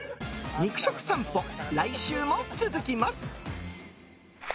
肉食さんぽ来週も続きます！